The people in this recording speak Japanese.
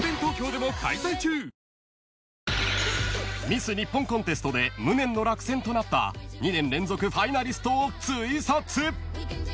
［ミス日本コンテストで無念の落選となった２年連続ファイナリストをツイサツ］